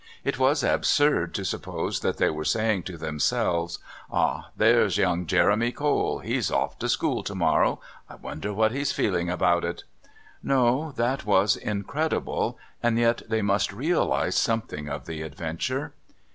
It was absurd to suppose that they were saying to themselves: "Ah, there's young Jeremy Cole! He's off to school tomorrow. I wonder what he feels about it!..." No, that was incredible, and yet they must realise something of the adventure.